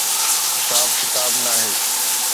حساب ڪتاب ناهي.